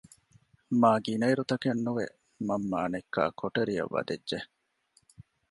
މާގިނައިރު ތަކެއް ނުވެ މަންމަ އަނެއްކާ ކޮޓަރިއަށް ވަދެއްޖެ